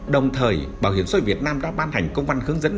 đồng thời bảo hiểm xã hội việt nam đã ban hành công văn hướng dẫn